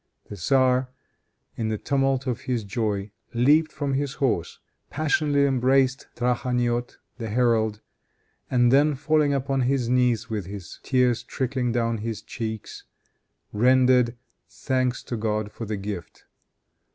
The tzar, in the tumult of his joy, leaped from his horse, passionately embraced Trakhaniot, the herald, and then falling upon his knees with tears trickling down his cheeks, rendered thanks to God for the gift.